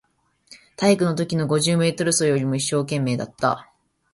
体育のときの五十メートル走よりも一生懸命だった